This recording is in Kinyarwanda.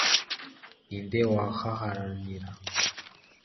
ninde wahaharanira